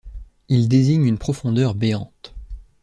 Il désigne une profondeur béante.